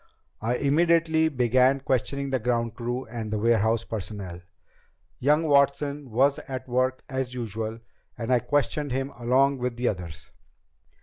I immediately began questioning the ground crew and warehouse personnel. Young Watson was at work as usual and I questioned him along with the others.